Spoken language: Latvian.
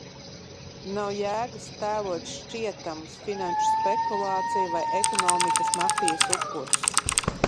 Nav jēgas tēlot šķietamus finanšu spekulāciju vai ekonomikas mafijas upurus.